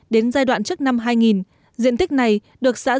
đến giai đoạn trước năm hai nghìn diện tích này được xã liên trung